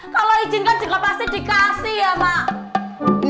kalau izinkan juga pasti dikasih ya mak